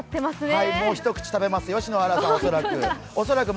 もう一口食べますよ、篠原さん、恐らく。